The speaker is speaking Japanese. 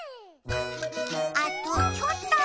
あとちょっと。